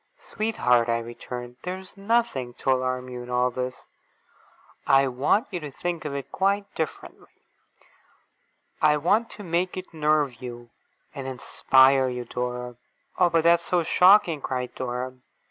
'Sweetheart!' I returned; 'there is nothing to alarm you in all this. I want you to think of it quite differently. I want to make it nerve you, and inspire you, Dora!' 'Oh, but that's so shocking!' cried Dora.